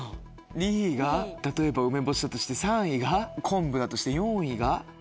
２位が例えば梅干しだとして３位が昆布だとして４位が？